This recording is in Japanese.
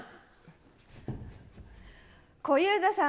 小遊三さん。